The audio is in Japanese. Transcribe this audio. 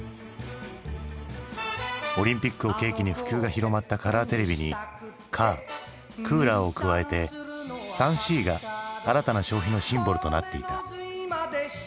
オリンピックを契機に普及が広まったカラーテレビにカークーラーを加えて「３Ｃ」が新たな消費のシンボルとなっていた。